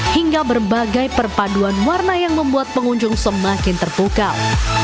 hingga berbagai perpaduan warna yang membuat pengunjung semakin terpukau